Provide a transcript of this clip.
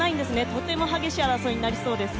とても激しい争いになりそうです。